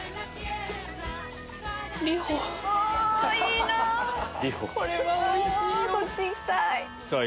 いいなぁ！